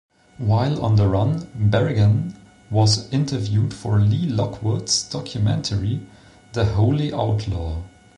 While on the run, Berrigan was interviewed for Lee Lockwood's documentary "The Holy Outlaw".